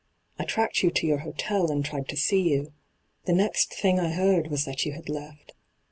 I tracked you to your hotel, and tried to see you. The next thing I heard was that you had left.